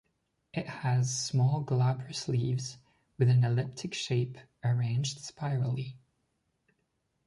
It has small glabrous leaves with an elliptic shape, arranged spirally.